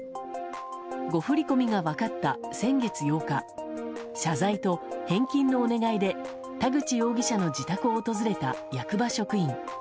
誤振り込みが分かった先月８日謝罪と返金のお願いで田口容疑者の自宅を訪れた役場職員。